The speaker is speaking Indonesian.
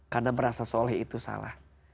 karena merasa soleh itu salah